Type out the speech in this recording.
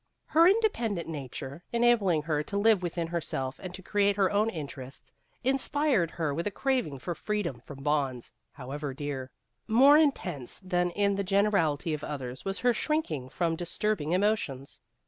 Her independent na 270 Vassar Studies ture, enabling her to live within herself and to create her own interests, inspired her with a craving for freedom from bonds, however dear. More intense than in the generality of others was her shrinking from disturbing emotions.